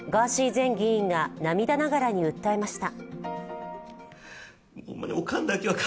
前議員が涙ながらに訴えました。